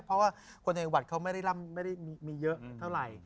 เพราะว่าคนในวัดเขาไม่ได้ร่ำไม่ได้มีเยอะเท่าไหร่